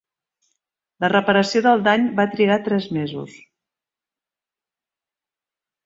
La reparació del dany va trigar tres mesos.